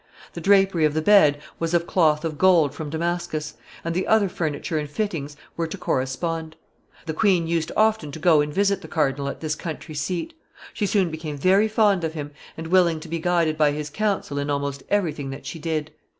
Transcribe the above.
The drapery of the bed was of cloth of gold from Damascus, and the other furniture and fittings were to correspond. The queen used often to go and visit the cardinal at this country seat. She soon became very fond of him, and willing to be guided by his counsel in almost every thing that she did.